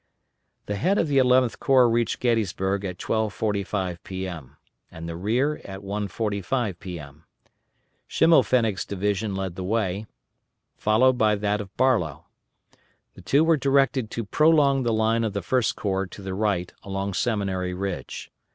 The head of the Eleventh Corps reached Gettysburg at 12.45 P.M., and the rear at 1.45 P.M. Schimmelpfennig's division led the way, followed by that of Barlow. The two were directed to prolong the line of the First Corps to the right along Seminary Ridge.